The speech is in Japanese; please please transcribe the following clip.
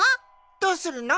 どうするの？